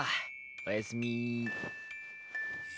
おやすみ。